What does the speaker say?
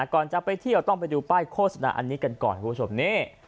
ก่อนจะไปที่เราต้องไปดูป้ายโฆษณาอันนี้กันก่อน